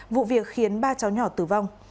vụ việc khiến ba cháu nhỏ tử vong